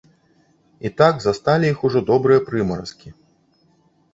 І так засталі іх ужо добрыя прымаразкі.